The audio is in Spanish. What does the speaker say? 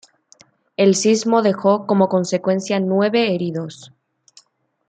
El sismo dejó como consecuencia nueve heridos.